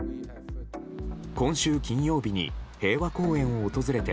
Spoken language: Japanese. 今週金曜日に平和公園を訪れて